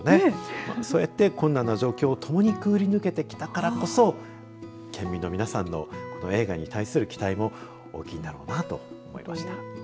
そうやって困難な状況をともにくぐりぬけてきたからこそ県民の皆さんの映画に対する期待も大きいんだろうなと思いました。